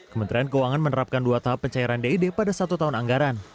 kementerian keuangan menerapkan dua tahap pencairan ded pada satu tahun anggaran